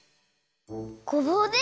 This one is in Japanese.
ごぼうで？